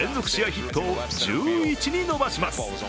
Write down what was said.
ヒットを１１に伸ばします。